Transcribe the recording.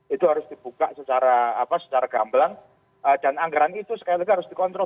itu harus dibuka secara gamblang dan anggaran itu sekali lagi harus dikontrol